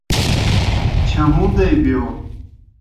چھہُوݩدے بِیو۔